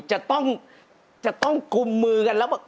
จะต้องกุมมือกันแล้ว